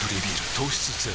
糖質ゼロ